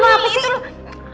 ini itu loh